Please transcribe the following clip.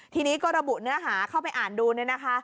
ทีนี้ก็ระบุเนื้อหาเข้าไปอ่านดูเนี่ยนะคะ